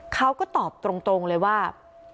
เขาก็ตอบตรงเลยว่า